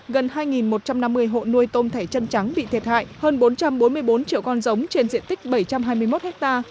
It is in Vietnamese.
gần hai một trăm năm mươi hộ nuôi tôm thẻ chân trắng bị thiệt hại hơn bốn trăm bốn mươi bốn triệu con giống trên diện tích bảy trăm hai mươi một ha